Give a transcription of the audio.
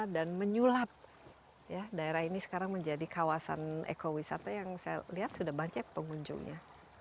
dan menyulap daerah ini sekarang menjadi kawasan ekowisata yang saya lihat sudah banyak pengunjungnya